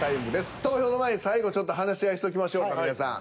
投票の前に最後ちょっと話し合いしときましょうか皆さん。